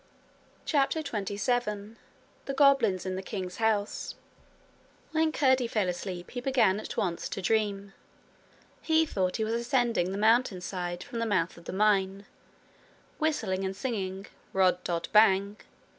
CHAPTER 27 The Goblins in the King's House When Curdie fell asleep he began at once to dream. He thought he was ascending the Mountainside from the mouth of the mine, whistling and singing 'Ring, dod, bang!'